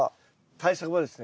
対策はですね